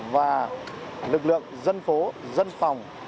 và lực lượng dân phố dân phòng